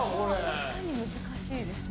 確かに難しいですね。